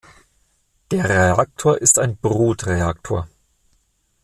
Der Reaktor ist ein Brutreaktor.